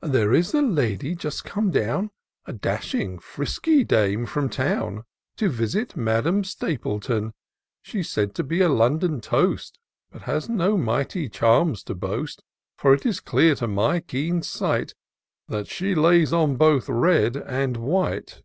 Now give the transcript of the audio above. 1 16 TOUR OF DOCTOR SYNTAX There is a lady just come down, A dashing, frisky dame, from town, To visit Madam S tapleton ; She's said tq be a London toast, But has no mighty charms to boast ; For it is clear to my keen sight, That she lays on both red and white.